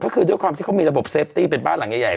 ก็คือด้วยความที่เขามีระบบเซฟตี้เป็นบ้านหลังใหญ่